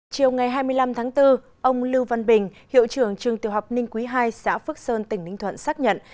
chiều ngày hai mươi năm tháng bốn ông lưu văn bình hiệu trưởng trường tiểu học ninh quý ii xã phước sơn tỉnh ninh thuận xác nhận